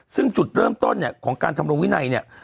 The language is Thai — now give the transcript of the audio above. ซึ่งจุดเริ่มต้นเนี่ยของการทำรงวินัยเนี่ย